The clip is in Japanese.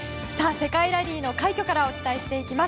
世界ラリーの快挙からお伝えしていきます。